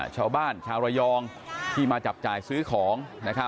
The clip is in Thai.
ชาวบ้านชาวระยองที่มาจับจ่ายซื้อของ